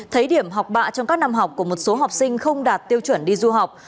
thấy điểm học bạ trong các năm học của một số học sinh không đạt tiêu chuẩn đi du học